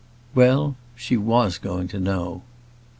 Well; she was going to know.